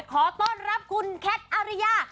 ขอต้อนรับคุณแคทอาริยา